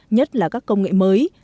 nhất là các công nghệ mới